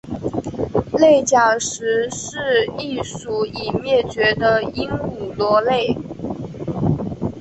内角石是一属已灭绝的鹦鹉螺类。